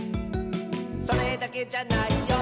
「それだけじゃないよ」